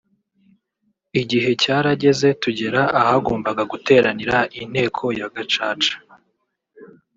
Igihe cyarageze tugera ahagombaga guteranira inteko ya Gacaca